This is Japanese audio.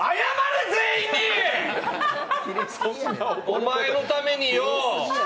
お前のためによ！